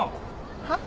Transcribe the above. はっ？